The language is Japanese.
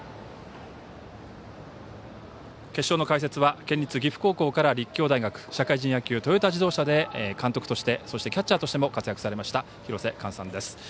決勝の解説は県立岐阜高校から立教大学、社会人野球トヨタ自動車で監督としてそしてキャッチャーとしても活躍されました廣瀬寛さんです。